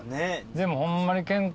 でもホンマに。